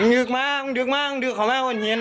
สุดท้ายก็เป็นเรื่องของเรื่องคู่อริมาถึงหน้าบ้าน